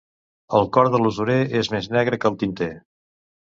El cor de l'usurer és més negre que el tinter.